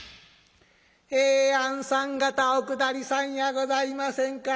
「えあんさん方お下りさんやございませんか。